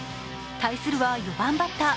対するは４番バッター。